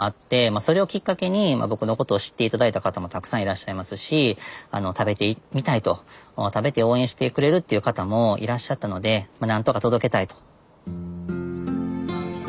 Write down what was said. まあそれをきっかけに僕のことを知って頂いた方もたくさんいらっしゃいますし食べてみたいと食べて応援してくれるっていう方もいらっしゃったので何とか届けたいと。